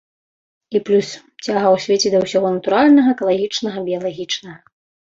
І плюс, цяга ў свеце да ўсяго натуральнага, экалагічнага, біялагічнага.